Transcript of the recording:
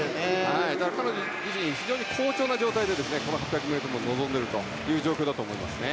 彼女自身、非常に好調な状態でこの８００ｍに臨んでいるという状況だと思いますね。